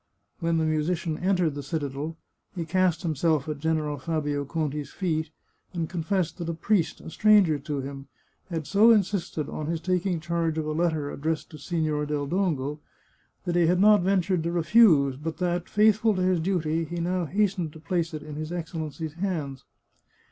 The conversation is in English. When the musician entered the citadel he cast himself at General Fabio Conti's feet, and confessed that a priest, a stranger to him, had so insisted on his taking charge of a letter addressed to Sig^or del Dongo, that he had not ven tured to refuse, but that, faithful to his duty, he now has tened to place it in his Excellency's hands.